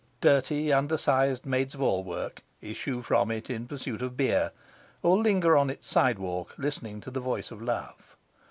Dirty, undersized maids of all work issue from it in pursuit of beer, or linger on its sidewalk listening to the voice of love.